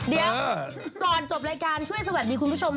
เดี๋ยวก่อนจบรายการช่วยสวัสดีคุณผู้ชม